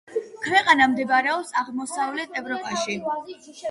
ქვეყანა მდებარეობს აღმოსავლეთ ევროპაში.